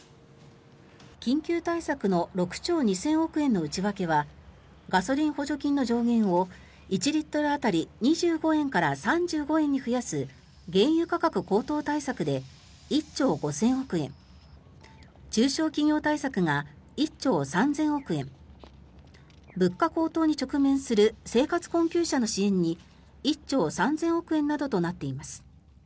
緊急対策の６兆２０００億円の内訳はガソリン補助金の上限を１リットル当たり２５円から３５円に増やす原油価格高騰対策で１兆５０００億円中小企業対策が１兆３０００億円物価高騰に直面する生活困窮者の支援に１兆３０００億円などとなっています。